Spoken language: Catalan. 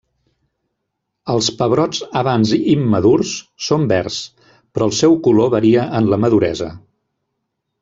Els pebrots havans immadurs són verds, però el seu color varia en la maduresa.